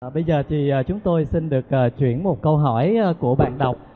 bây giờ thì chúng tôi xin được chuyển một câu hỏi của bạn đọc